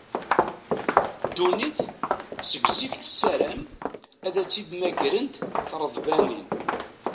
Ddunit, seg zik tessaram, ad tt-id-mmagrent treḍbanin.